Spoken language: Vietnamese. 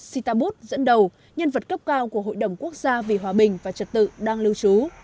thịnh ta bút dẫn đầu nhân vật cấp cao của hội đồng quốc gia vì hòa bình và trật tự đang lưu trú